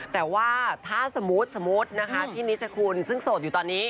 แต่ว่าถ้าสมมุติสมมุตินะคะพี่นิชคุณซึ่งโสดอยู่ตอนนี้